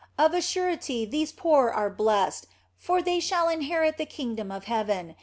Of a surety these poor are blessed, for they shall inherit the kingdom of heaven.